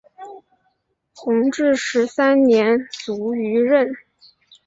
弘治十三年卒于任。